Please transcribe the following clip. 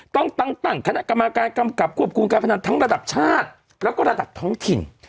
ต้องตั้งคณะกรรมการกำกับควบคุมการพนันทั้งระดับชาติแล้วก็ระดับท้องถิ่น